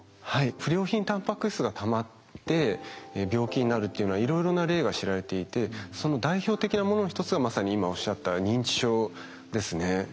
不良品タンパク質がたまって病気になるっていうのはいろいろな例が知られていてその代表的なものの一つがまさに今おっしゃった認知症ですね。